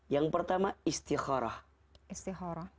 yang pertama istikharah